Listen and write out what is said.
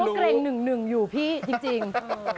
ทุกอย่างจากรจงวัตรที่จะออก